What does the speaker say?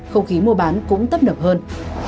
không khí mua bán cũng tấp nập hơn